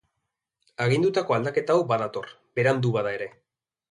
Agindutako aldaketa hau badator, berandu bada ere.